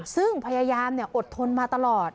ซึ่งพยายามอดทนมาตลอด